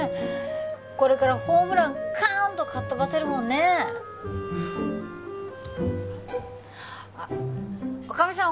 これからホームランカーンとかっ飛ばせるもんねあっ女将さん